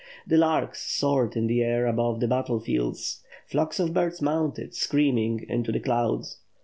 The larks soared in the air above the battle field?*. Flocks of birds mounted, screaming, into the clouds.